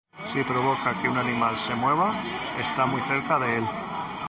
Si provoca que un animal se mueva, ¡está muy cerca de él!